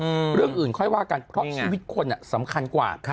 เรื่องอื่นค่อยว่ากันเพราะชีวิตคนอ่ะสำคัญกว่าค่ะ